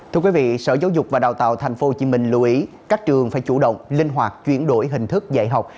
thưa quý vị sở giáo dục và đào tạo tp hcm lưu ý các trường phải chủ động linh hoạt chuyển đổi hình thức dạy học